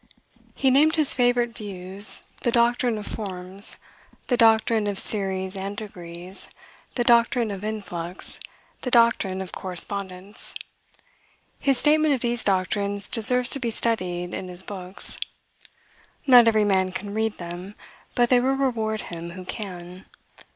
He named his favorite views, the doctrine of Forms, the doctrine of Series and Degrees, the doctrine of Influx, the doctrine of Correspondence. His statement of these doctrines deserves to be studied in his books. Not every man can read them, but they will reward him who can.